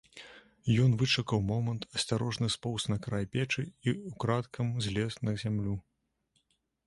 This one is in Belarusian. Ён вычакаў момант, асцярожна споўз на край печы і ўкрадкам злез на зямлю.